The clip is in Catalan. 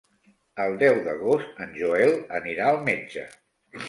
El deu d'agost en Joel anirà al metge.